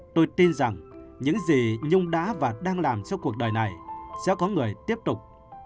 tôi tin rằng những gì nhung đã và đang làm cho cuộc đời này sẽ có người tiếp tục